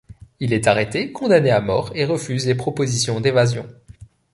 Il est arrêté, condamné à mort et refuse les propositions d'évasion.